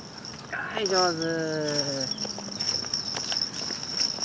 はい上手。